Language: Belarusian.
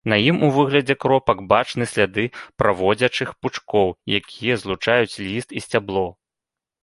На ім у выглядзе кропак бачны сляды праводзячых пучкоў, якія злучаюць ліст і сцябло.